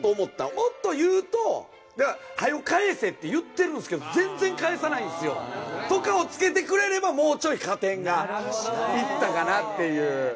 もっと言うと「早よ返せって言ってるんですけど全然返さないんすよ」とかをつけてくれればもうちょい加点がいったかなっていう。